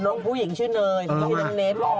เน็ตก็มีชื่อเนยอีกชื่อน้องเน็ต